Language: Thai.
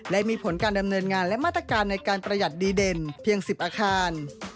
และมีผลการดำเนินงานและมาตรการในการประหยัดดีเด่นเพียง๑๐อาคาร